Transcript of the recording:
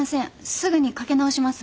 すぐにかけ直します。